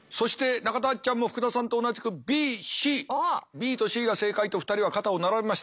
ＢとＣが正解と２人は肩を並べました。